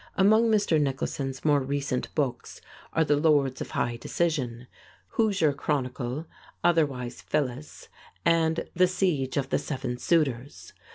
Among Mr. Nicholson's more recent books are "The Lords of High Decision," "Hoosier Chronicle," "Otherwise Phyllis" and "The Siege of the Seven Suitors."